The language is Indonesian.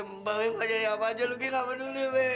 mbak bebe mau jadi apa aja luki nggak peduli bebe